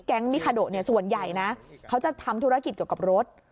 มิคาโดเนี่ยส่วนใหญ่นะเขาจะทำธุรกิจเกี่ยวกับรถ